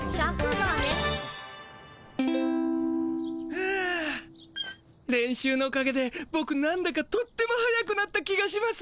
ふう練習のおかげでボクなんだかとっても速くなった気がします。